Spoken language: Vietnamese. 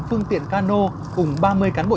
phương tiện cano cùng ba mươi cán bộ